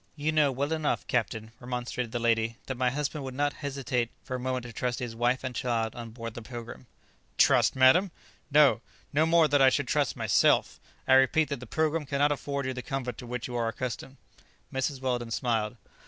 "You know well enough, captain," remonstrated the lady "that my husband would not hesitate for a moment to trust his wife and child on board the 'Pilgrim.'" "Trust, madam! No! no more than I should myself. I repeat that the 'Pilgrim' cannot afford you the comfort to which you are accustomed." Mrs. Weldon smiled.